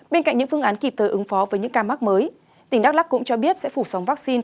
bên cạnh những phương án kịp thời ứng phó với những ca mắc mới tỉnh đắk lắc cũng cho biết sẽ phủ sóng vaccine